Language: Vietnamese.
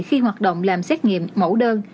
khi hoạt động làm xét nghiệm mẫu đơn